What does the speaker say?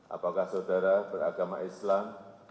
apakah saudara beragama islam